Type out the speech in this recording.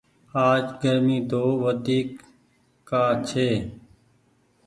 آج گرمي تو وڍيڪ ڪآ ڇي۔